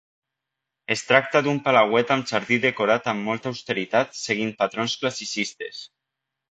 Es tracta d'un palauet amb jardí decorat amb molta austeritat seguint patrons classicistes.